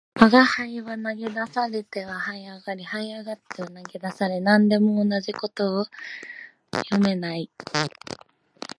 吾輩は投げ出されては這い上り、這い上っては投げ出され、何でも同じ事を四五遍繰り返したのを記憶している